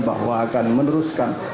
bahwa akan meneruskan